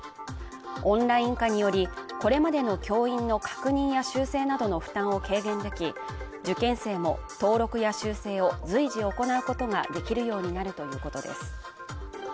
オンライン化により、これまでの教員の確認や修正などの負担を軽減でき、受験生も登録や修正を随時行うことができるようになるということです。